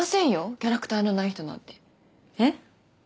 キャラクターのない人なんてえっ？